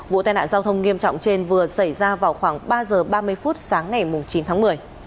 vụ tai nạn giao thông nghiêm trọng trên vừa xảy ra vào khoảng ba giờ ba mươi phút sáng ngày chín tháng một mươi